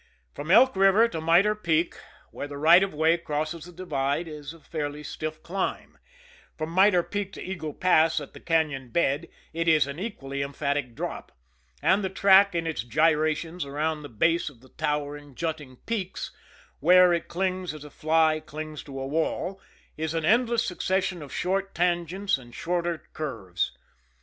From Elk River to Mitre Peak, where the right of way crosses the Divide, it is a fairly stiff climb from Mitre Peak to Eagle Pass, at the cañon bed, it is an equally emphatic drop; and the track in its gyrations around the base of the towering, jutting peaks, where it clings as a fly clings to a wall, is an endless succession of short tangents and shorter curves.